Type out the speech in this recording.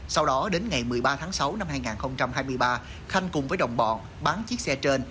sau đó đến ngày một mươi ba tháng sáu năm hai nghìn hai mươi ba khanh cùng với đồng bọn bán chiếc xe trên